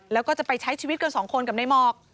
แล้วก็จะไปใช้ชีวิตกันสองคนกับนายหมอก